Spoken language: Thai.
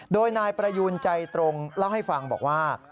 โดยนายประยูนใจตรงเล่าให้ฟังบอกว่า